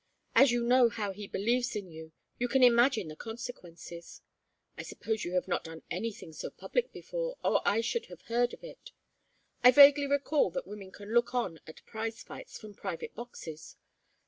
As you know how he believes in you, you can imagine the consequences. I suppose you have not done anything so public before, or I should have heard of it. I vaguely recall that women can look on at prize fights from private boxes.